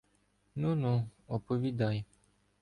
— Ну-ну, оповідай.